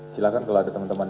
silahkan kalau ada teman teman